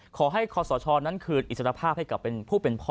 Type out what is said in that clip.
คอสชนั้นคืนอิสรภาพให้กับผู้เป็นพ่อ